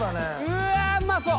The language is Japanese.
うわっうまそう！